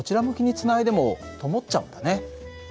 向きにつないでもともっちゃうんだね。